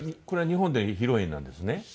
これは日本で披露宴なんですね。